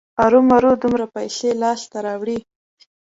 ارومرو دومره پیسې لاسته راوړي.